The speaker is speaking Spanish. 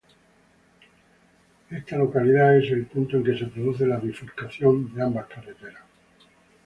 Esta localidad es el punto en que se produce la bifurcación de ambas carreteras.